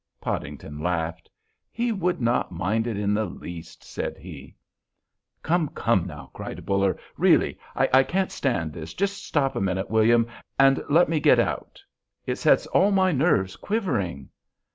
Podington laughed. "He would not mind it in the least," said he. "Come, come now," cried Buller. "Really, I can't stand this! Just stop a minute, William, and let me get out. It sets all my nerves quivering."